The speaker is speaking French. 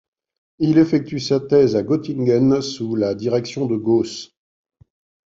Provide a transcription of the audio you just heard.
Il effectue sa thèse à Göttingen sous la direction de Gauss.